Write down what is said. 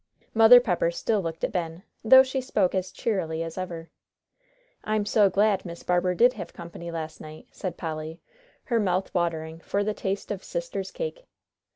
Mother Pepper still looked at Ben, though she spoke as cheerily as ever. "I'm so glad Miss Barber did have company last night," said Polly, her mouth watering for the taste of "sister's cake."